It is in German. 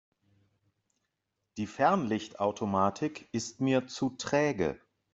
Die Fernlichtautomatik ist mir zu träge.